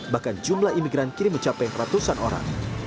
bahkan jumlah imigran kini mencapai ratusan orang